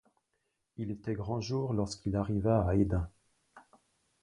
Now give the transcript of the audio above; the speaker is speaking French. Il était grand jour lorsqu'il arriva à Hesdin.